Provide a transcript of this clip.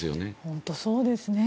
本当にそうですね。